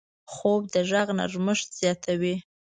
خوب د غږ نرمښت زیاتوي